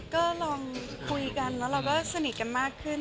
ก็ลองคุยกันแล้วเราก็สนิทกันมากขึ้น